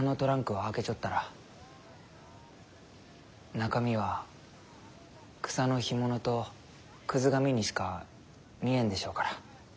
中身は草の干物とクズ紙にしか見えんでしょうから。